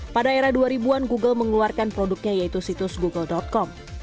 pada era dua ribu an google mengeluarkan produknya yaitu situs google com